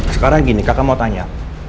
sekarang gini kakak mau tanya